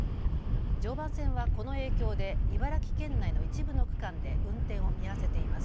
常磐線はこの影響で茨城県内の一部の区間で運転を見合わせています。